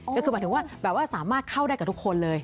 หมายถึงว่าสามารถเข้าได้กับทุกคนเลย